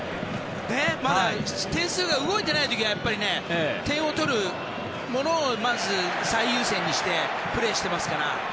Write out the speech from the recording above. まだ点数が動いていない時は点を取るものをまず最優先にしてプレーしていますから。